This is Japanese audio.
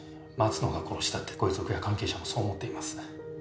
松野が殺した」ってご遺族や関係者もそう思っています。